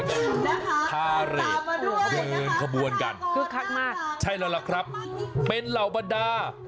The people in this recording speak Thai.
ฮาเรดขึ้นขบวนกันใช่แล้วล่ะครับเป็นเหล่าบรรดา